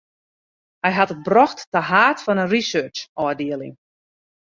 Hy hie it brocht ta haad fan in researchôfdieling.